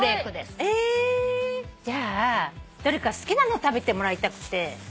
じゃあどれか好きなの食べてもらいたくて。